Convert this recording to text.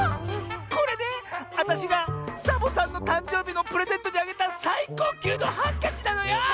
これねあたしがサボさんのたんじょうびのプレゼントにあげたさいこうきゅうのハンカチなのよ！